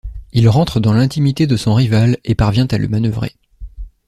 Il rentre dans l'intimité de son rival et parvient à le manœuvrer.